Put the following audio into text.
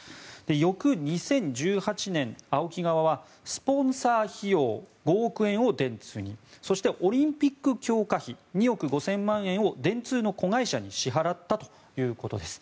翌２０１８年、ＡＯＫＩ側はスポンサー費用５億円を電通にそしてオリンピック強化費２億５０００万円を電通の子会社に支払ったということです。